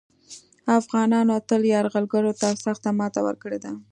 افغانانو تل یرغلګرو ته سخته ماته ورکړې ده